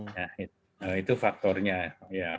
nah itu faktornya